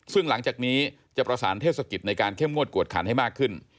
ซึ่งหลังจากนี้จะประสานเทศกิจในการเข้มงวดกวดขันให้มากขึ้น